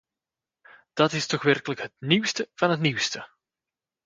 Dat is toch werkelijk het nieuwste van het nieuwste!